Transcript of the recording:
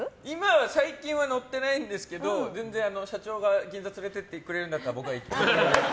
最近は乗ってないんですけど全然社長が銀座連れてってくれるんだったら僕は行きます。